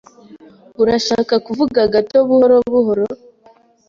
Urashaka kuvuga gato buhoro buhoro?